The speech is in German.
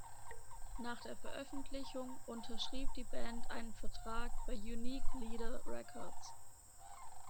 Nach der Veröffentlichung unterschrieb die Band einen Vertrag bei Unique Leader Records.